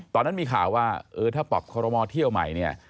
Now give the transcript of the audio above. ตอนนั้นมีข่าวว่าเออถ้าปรับคอรมอลเที่ยวใหม่เนี่ย